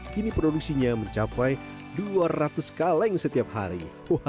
kini produksinya mencapai dua ratus kaleng setiap hari